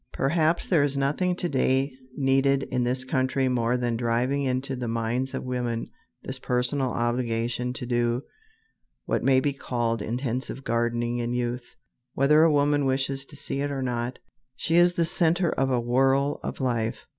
Perhaps there is nothing to day needed in this country more than driving into the minds of women this personal obligation to do what may be called intensive gardening in youth. Whether a woman wishes to see it or not, she is the center of a whirl of life.